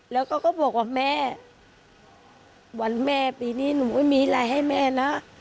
แล้วก็บอกว่าแม่วันแม่ปีนี้หนูไม่มีอะไรให้แม่นะ